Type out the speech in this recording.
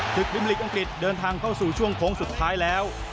พิมลีกอังกฤษเดินทางเข้าสู่ช่วงโค้งสุดท้ายแล้ว